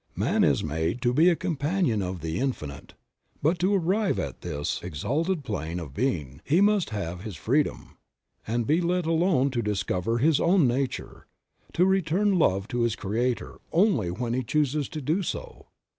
Man is made to be a companion of the Infinite; but to arrive at this exalted plane of being, he must have his freedom, and be let alone to discover his own nature; to return love to his Creator only when he chooses to do so.